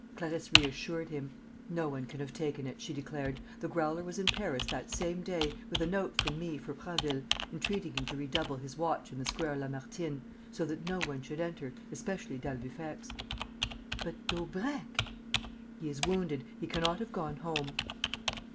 Clarisse reassured him: "No one can have taken it," she declared. "The Growler was in Paris that same day, with a note from me for Prasville, entreating him to redouble his watch in the Square Lamartine, so that no one should enter, especially d'Albufex...." "But Daubrecq?" "He is wounded. He cannot have gone home."